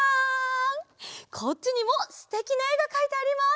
こっちにもすてきなえがかいてあります！